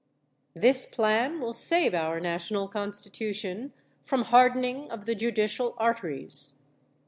This plan will save our national Constitution from hardening of the judicial arteries.